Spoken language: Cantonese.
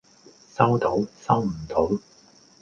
收到收唔到